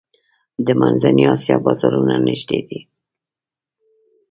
د منځنۍ اسیا بازارونه نږدې دي